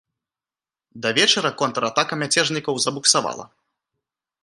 Да вечара контратака мяцежнікаў забуксавала.